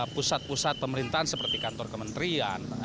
pusat pusat pemerintahan seperti kantor kementerian